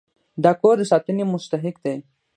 دا کور د ساتنې مستحق دی.